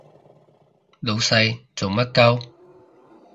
老細做乜 𨳊